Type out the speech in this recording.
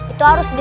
itu harus dimulai